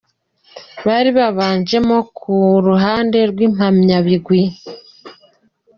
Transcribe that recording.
bari babanjemo ku ruhande rw'Impamyabigwi I.